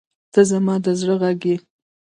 • ته زما د زړه غږ یې.